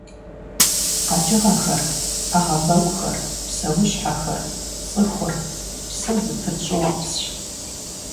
КъэкӀыгъэхэр, Ӏэгъэбэгухэр, псэущхьэхэр, цӀыхур – псэ зыпыт щӀыуэпсщ.